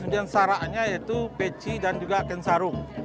dan saraknya yaitu peci dan juga kensarung